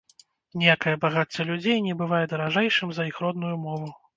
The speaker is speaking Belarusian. Ніякае багацце людзей не бывае даражэйшым за іх родную мову